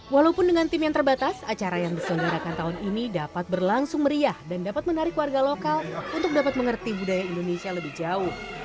walaupun dengan tim yang terbatas acara yang diselenggarakan tahun ini dapat berlangsung meriah dan dapat menarik warga lokal untuk dapat mengerti budaya indonesia lebih jauh